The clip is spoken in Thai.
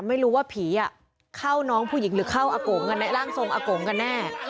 ไม่รู้ว่าผีเช่าน้องผู้หญิงหรือเข้าล่างทรงอกงกันแน่